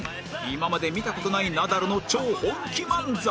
今まで見た事ないナダルの超本気漫才